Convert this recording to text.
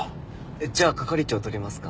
じゃあ係長撮りますか？